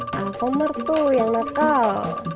a'a komar tuh yang nakal